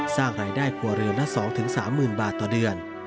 สร้างรายได้ครัวเรือนละ๒๓๐๐๐บาทต่อเดือน